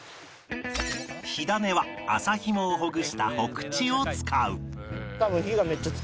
火種は麻ひもをほぐした火口を使う